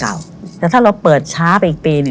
แล้วถ้าเราเปิดช้าไปอีกปีหนึ่ง